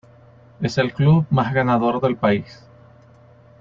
Es el club más ganador del país.